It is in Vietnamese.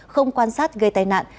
không quan sát gây tai nạn